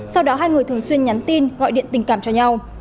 sau đó hai người thường xuyên nhắn tin gọi điện tình cảm cho nhau